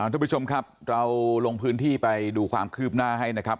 ทุกผู้ชมครับเราลงพื้นที่ไปดูความคืบหน้าให้นะครับ